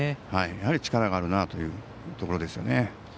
やはり力があるなというところですよね。